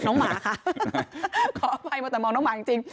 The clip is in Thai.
น้องหมาค่ะขออภัยมาแต่มองน้องหมาจริงจริง